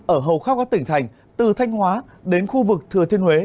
ở hầu khắp các tỉnh thành từ thanh hóa đến khu vực thừa thiên huế